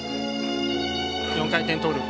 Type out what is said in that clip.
４回転トーループ。